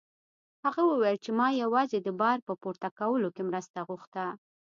هغه وویل چې ما یوازې د بار په پورته کولو کې مرسته غوښته.